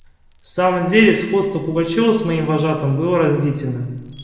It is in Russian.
В самом деле сходство Пугачева с моим вожатым было разительно.